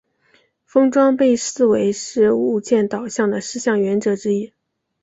封装被视为是物件导向的四项原则之一。